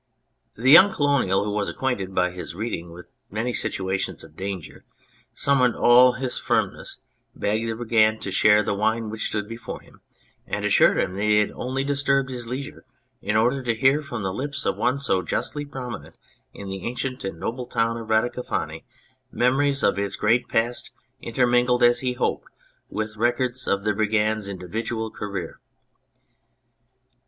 The young Colonial, who was acquainted by his reading with many situations of danger, summoned all his firmness, begged the Brigand to share the wine which stood before him, and assured him that he had only disturbed his leisure in order to hear from the lips of one so justly prominent in the ancient and noble town of Radico fani memories of its great past intermingled, as he hoped, with records of the Brigand's individual career.